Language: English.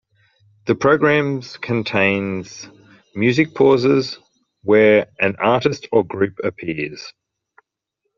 The programmes contains music pauses, where an artist or group appears.